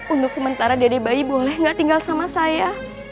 untuk sementara jadi bayi boleh gak tinggal sama saya